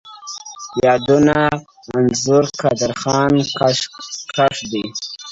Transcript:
یادونه: انځور، قادر خان کښلی دی!